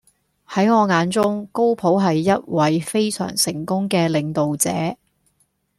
喺我眼中，高普係一位非常成功嘅領導者